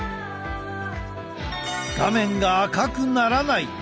画面が赤くならない！